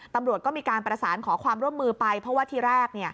ตำรวจก็มีการประสานขอความร่วมมือไปเพราะว่าที่แรก